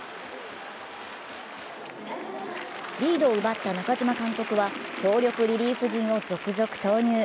リードを奪った中嶋監督は強力リリーフ陣を続々投入。